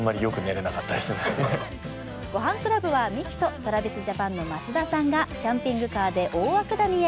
「ごはんクラブ」はミキとＴｒａｖｉｓＪａｐａｎの松田さんがキャンピングカーで大涌谷へ。